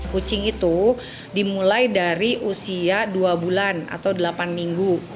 kucing itu dimulai dari usia dua bulan atau delapan minggu